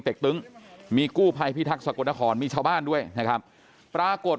เต็กตึ๊งมีกู้ภัยพิทักษ์สวัสดิ์กฎนครมีชาวบ้านด้วยนะครับปรากฏ